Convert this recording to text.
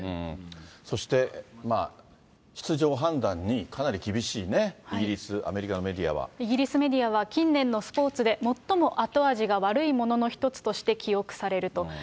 そして出場判断にかなり厳しいね、イギリス、イギリスメディアは、近年のスポーツで、最も後味が悪いものの一つとして記憶されると。